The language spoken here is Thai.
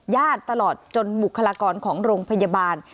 ตลอดจนบุคลากรของโรงพยาบาล